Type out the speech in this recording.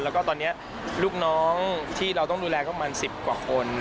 แล้วก็ตอนนี้ลูกน้องที่เราต้องดูแลก็ประมาณ๑๐กว่าคน